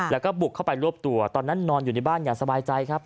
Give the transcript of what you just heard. แล้วก็บุกเข้าไปรวบตัวตอนนั้นนอนอยู่ในบ้านอย่างสบายใจครับ